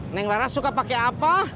neng lara suka pake apa